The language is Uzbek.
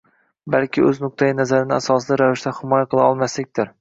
balki o‘z nuqtai nazarini asosli ravishda himoya qila olmaslikdir.